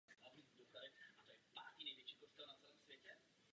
Víte, co je mojí biblí?